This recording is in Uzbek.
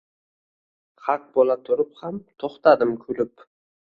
Haq bula turib ham tuxtadim kulib